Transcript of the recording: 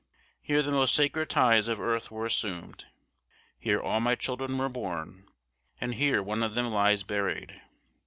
Here the most sacred ties of earth were assumed. Here all my children were born; and here one of them lies buried.